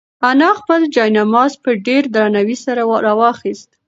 انا خپل جاینماز په ډېر درناوي سره راواخیست.